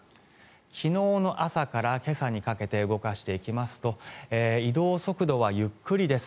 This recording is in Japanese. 昨日の朝から今朝にかけて動かしていきますと移動速度はゆっくりです。